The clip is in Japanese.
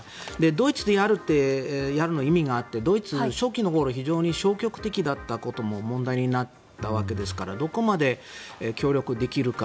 ドイツがどこまでできるかドイツは初期の頃非常に消極的だったことも問題になったわけですからどこまで協力できるか。